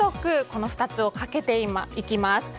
この２つをかけていきます。